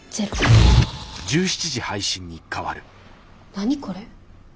何これ。